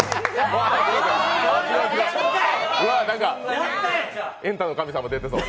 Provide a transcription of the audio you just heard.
なんか「エンタの神様」出てそう。